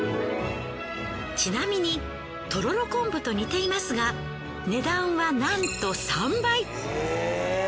ちなみにとろろ昆布と似ていますが値段はなんと３倍！